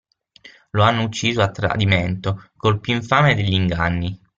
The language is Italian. Lo hanno ucciso a tradimento col píú infame degli inganni.